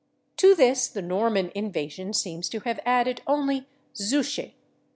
To this the Norman invasion seems to have added only /Zouchy